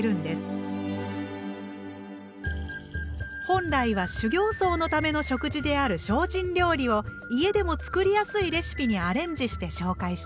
本来は修行僧のための食事である精進料理を家でも作りやすいレシピにアレンジして紹介しています。